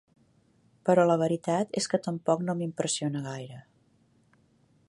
Però la veritat és que tampoc no m'impressiona gaire.